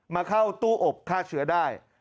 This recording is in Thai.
มาเข้าตู้อบฆ่าเชื้อได้